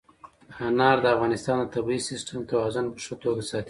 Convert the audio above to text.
انار د افغانستان د طبعي سیسټم توازن په ښه توګه ساتي.